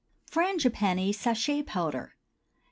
FRANGIPANNI SACHET POWDER.